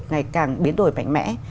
ngày càng biến đổi mạnh mẽ